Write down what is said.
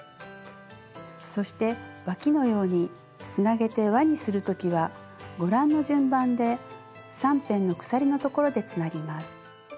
そしてわきのようにつなげて輪にする時はご覧の順番で３辺の鎖のところでつなぎます。